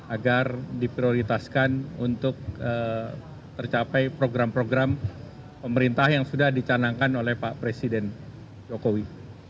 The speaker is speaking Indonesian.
agar diprioritaskan untuk tercapai program program pemerintah yang sudah dicanangkan oleh pak presiden jokowi